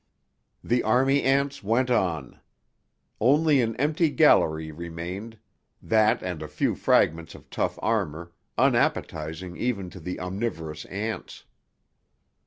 The army ants went on. Only an empty gallery remained, that and a few fragments of tough armour, unappetizing even to the omniverous ants.